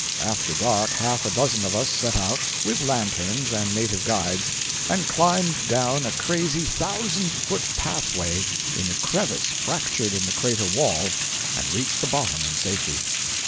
After dark half a dozen of us set out, with lanterns and native guides, and climbed down a crazy, thousand foot pathway in a crevice fractured in the crater wall, and reached the bottom in safety.